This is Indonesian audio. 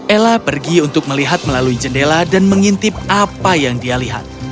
ella pergi untuk melihat melalui jendela dan mengintip apa yang dia lihat